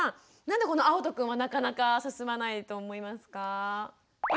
なんでこのあおとくんはなかなか進まないと思いますか？